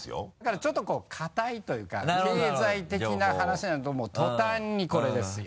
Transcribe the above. ちょっとこう堅いというか経済的な話になるともうとたんにこれですよ。